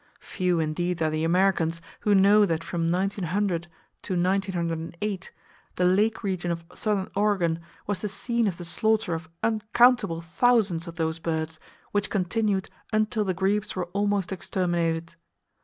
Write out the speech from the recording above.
Few indeed are the Americans who know that from 1900 to 1908 the lake region of southern Oregon was the scene of the slaughter of uncountable thousands of those birds, which continued until the grebes were almost exterminated.